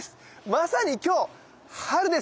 まさに今日春です。